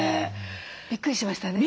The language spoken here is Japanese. びっくりしましたね。